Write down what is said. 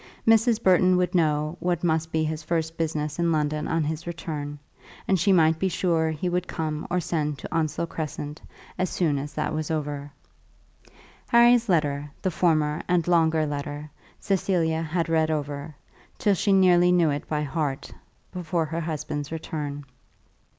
Mrs. Burton would know what must be his first business in London on his return, and she might be sure he would come or send to Onslow Crescent as soon as that was over. Harry's letter, the former and longer letter, Cecilia had read over, till she nearly knew it by heart, before her husband's return.